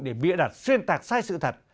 để bịa đặt xuyên tạc sai sự thật